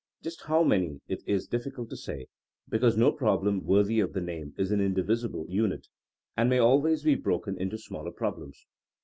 Just how many it is difficult to say, because no problem worthy of the name is an indivisible unit, and may always be broken into smaller problems.